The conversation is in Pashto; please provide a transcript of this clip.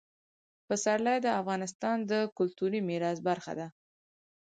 پسرلی د افغانستان د کلتوري میراث برخه ده.